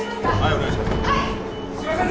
・お願いします